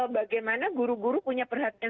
bagaimana guru guru punya perhatian